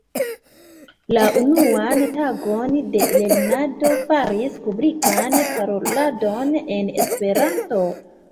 La unuan tagon de lernado faris publikan paroladon en Esperanto.